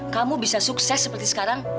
kamu bisa sukses seperti sekarang